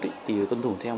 thực ra thì tuân thủ theo